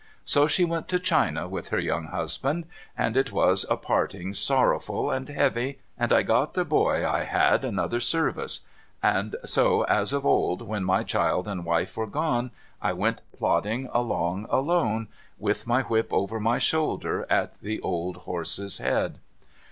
So she went to China with her young husband, and it was a parting sorrowful and heavy, and I got the boy I had another service ; and so as of old, when my child and wife were gone, I went plodding along alone, with my whip over my shoulder, at the old horse's head.